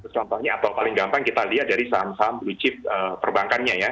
contohnya atau paling gampang kita lihat dari saham saham blue chip perbankannya ya